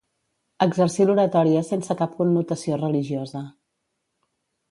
Exercir l'oratòria sense cap connotació religiosa.